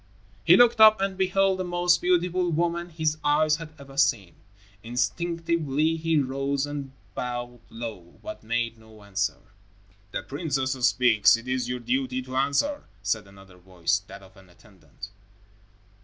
He looked up and beheld the most beautiful woman his eyes had ever seen. Instinctively, he rose and bowed low, but made no answer. "The princess speaks. It is your duty to answer," said another voice, that of an attendant.